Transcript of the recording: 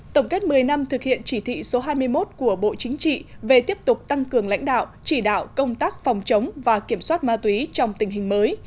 tổng kết một mươi năm thực hiện chỉ thị số hai mươi một của bộ chính trị về tiếp tục tăng cường lãnh đạo chỉ đạo công tác phòng chống và kiểm soát ma túy trong tình hình mới